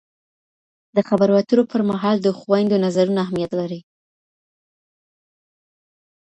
د خبرو اترو پر مهال د خویندو نظرونه اهمیت لري.